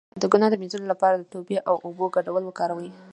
د ګناه د مینځلو لپاره د توبې او اوبو ګډول وکاروئ